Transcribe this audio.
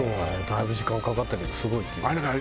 だいぶ時間かかったけどすごいっていう。